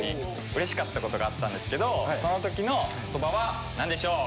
うれしかったことがあったんですけどその時の言葉は何でしょう？